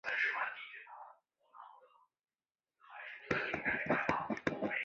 韦斯滕多尔夫是德国巴伐利亚州的一个市镇。